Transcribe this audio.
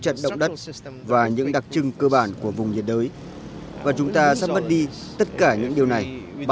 trận động đất và những đặc trưng cơ bản của vùng nhiệt đới và chúng ta sắp mất đi tất cả những điều này